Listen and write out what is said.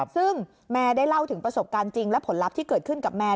ซึ่งแมร์ได้เล่าถึงประสบการณ์จริงและผลลัพธ์ที่เกิดขึ้นกับแมน